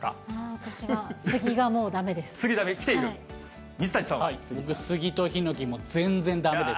私はスギがもうだめです。